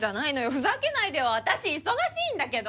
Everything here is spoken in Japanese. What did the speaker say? ふざけないでよ！あたし忙しいんだけど！